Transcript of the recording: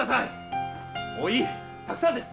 もうたくさんです！